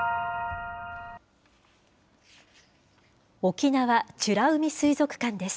沖縄美ら海水族館です。